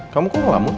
kamu kok ngelamun